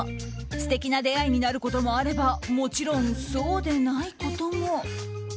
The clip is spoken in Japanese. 素敵な出会いになることもあればもちろん、そうでないことも。